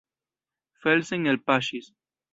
Felsen elpaŝis.